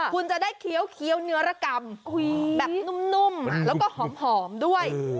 คุณจะได้เคี้ยวเนื้อระกำแบบนุ่มแล้วก็หอมด้วย